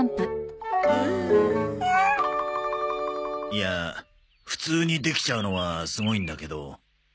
いや普通にできちゃうのはすごいんだけど。